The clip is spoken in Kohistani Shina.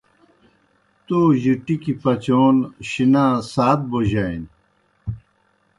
تو جیْ ٹِکیْ پچون شِنا سات بوجانیْ۔